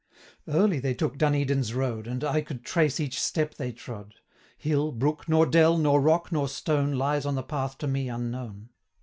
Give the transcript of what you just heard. Early they took Dun Edin's road, 490 And I could trace each step they trode: Hill, brook, nor dell, nor rock, nor stone, Lies on the path to me unknown.